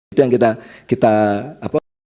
itu yang kita apa